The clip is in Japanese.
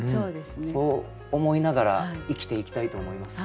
そう思いながら生きていきたいと思います。